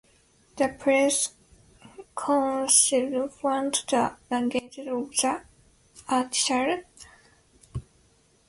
The Press Council found the language of the article "misleading" and "emotionally loaded".